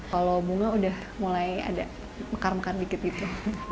kalau bunga udah mulai ada mekar mekar dikit gitu